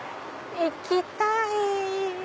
行きたい！